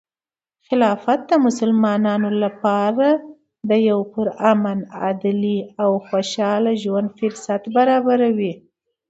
خلافت د مسلمانانو لپاره د یو پرامن، عدلي، او خوشحال ژوند فرصت برابروي.